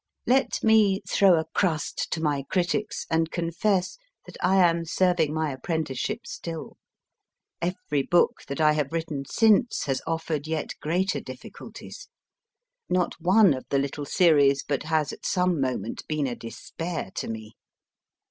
Let me throw a crust to my critics/ and confess that I am serving my apprenticeship still. Every book that I have written since has offered yet greater difficulties. Not one of the little series but has at some moment been a despair to me.